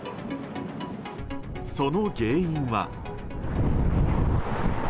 その原因は。